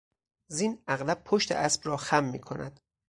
زین اغلب پشت اسب را زخم میکند.